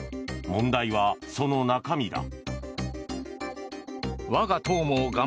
問題は、その中身だ。